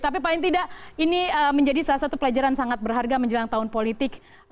tapi paling tidak ini menjadi salah satu pelajaran sangat berharga menjelang tahun politik